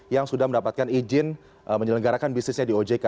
yang sudah mendapatkan izin menyelenggarakan bisnisnya di ojk